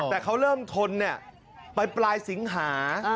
แต่เขาเริ่มทนไปปลายสิงหา